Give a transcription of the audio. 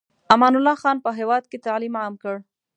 امان الله خان په هېواد کې تعلیم عام کړ.